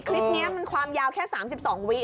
คลิปนี้มันความยาวแค่๓๒วิ